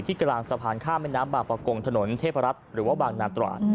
กลางสะพานข้ามแม่น้ำบางประกงถนนเทพรัฐหรือว่าบางนาตราด